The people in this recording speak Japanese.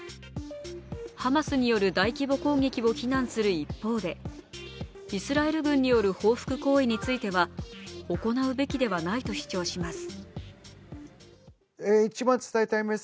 ハマスによる大規模攻撃を非難する一方でイスラエル軍による報復行為については行うべきではないと主張します。